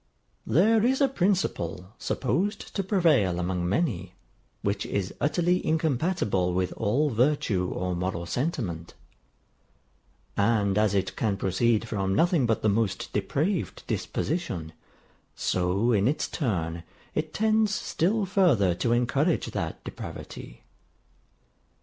THERE is a principle, supposed to prevail among many, which is utterly incompatible with all virtue or moral sentiment; and as it can proceed from nothing but the most depraved disposition, so in its turn it tends still further to encourage that depravity.